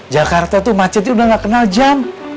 jakarta itu macetnya udah gak kenal jam